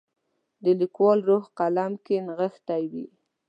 د لیکوال روح قلم کې نغښتی وي.